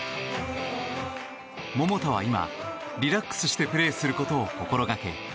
桃田は今、リラックスしてプレーすることを心掛け